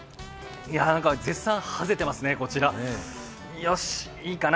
絶賛はぜてますね、こちら。